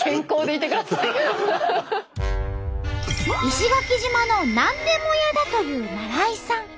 石垣島の何でも屋だという那良伊さん。